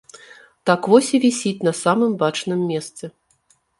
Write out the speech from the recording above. Так вось і вісіць на самым бачным месцы.